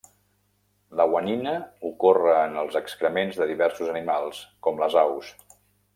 La guanina ocorre en els excrements de diversos animals, com les aus.